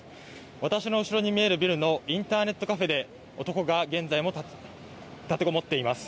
私の後ろに見えるビルのインターネットカフェで男が現在も立てこもっています。